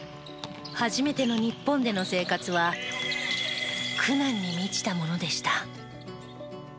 初めての日本での生活は苦難に満ちたものでした。